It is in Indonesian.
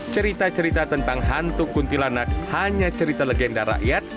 cerita cerita tentang hantu kuntilanak hanya cerita legenda rakyat